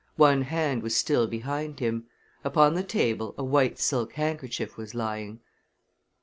One hand was still behind him. Upon the table a white silk handkerchief was lying.